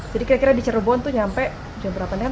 jadi kira kira di cirebon tuh nyampe jam berapa nih kan